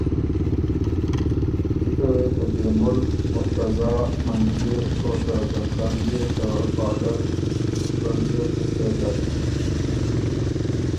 جکه وې ته ګېمُل، مرتضیٰ، منجئے او ته زرکنی ته باډر (فرنټئر کنسټېبو لری)